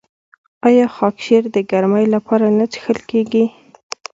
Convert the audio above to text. آیا خاکشیر د ګرمۍ لپاره نه څښل کیږي؟